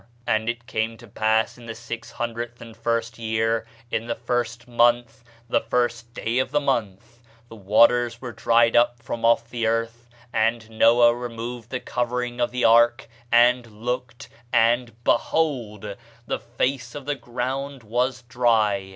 "And it came to pass in the six hundredth and first year, in the first month, the first day of the month, the waters were dried up from off the earth: and Noah removed the covering of the ark, and looked, and, behold, the face of the ground was dry.